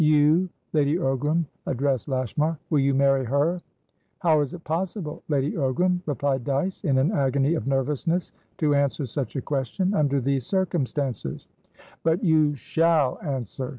"You!" Lady Ogram addressed Lashmar. "Will you marry her?" "How is it possible, Lady Ogram," replied Dyce, in an agony of nervousness, "to answer such a question under these circumstances?" "But you shall answer!"